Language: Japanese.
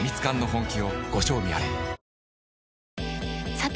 さて！